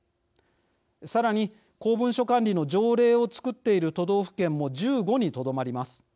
さらに公文書管理の条例を作っている都道府県も１５にとどまります。